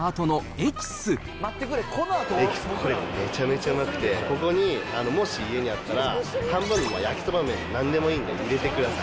エキス、これがめちゃめちゃうまくて、ここに、もし家にあったら、半分の焼きそば麺、なんでもいいんで入れてください。